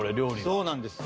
そうなんです。